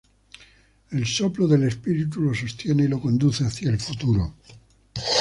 El soplo del Espíritu lo sostiene y lo conduce hacia el futuro.